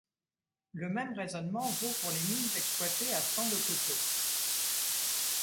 Le même raisonnement vaut pour les mines exploitées à flanc de coteau.